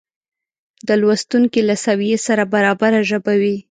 د لوستونکې له سویې سره برابره ژبه وي